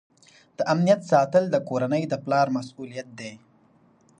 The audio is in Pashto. د امنیت ساتل د کورنۍ د پلار مسؤلیت دی.